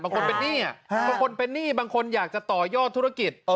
บางคนเป็นนี่บางคนอยากจะต่อยอดธุรกิจ